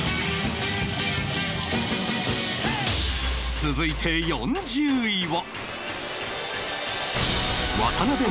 続いて４０位は